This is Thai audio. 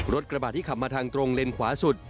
กระบาดที่ขับมาทางตรงเลนขวาสุด